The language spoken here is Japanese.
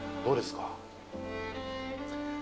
どうですか？